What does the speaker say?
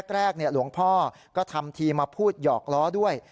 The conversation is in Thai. แรกหลวงพ่อก็ทำทีมาพูดหยอกล้อด้วย